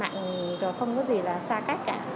rồi không có gì là xa cách cả